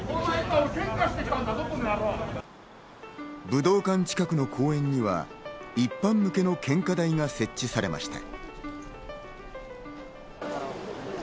武道館近くの公園には、一般向けの献花台が設置されました。